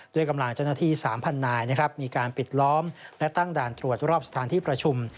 ด้วยกำลังเจ้าหน้าที่๓๐๐นายนะครับมีการปิดล้อมและตั้งด่านตรวจรอบสถานที่ประชุม